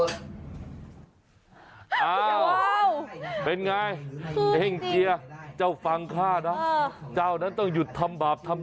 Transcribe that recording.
ให้พิมพ์ในห้องแชทของเรานะครับอาจารย์ชิดชื่อนะครับ